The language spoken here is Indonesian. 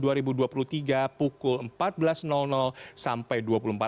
kemudian april dua ribu dua puluh tiga pukul empat belas sampai dua puluh empat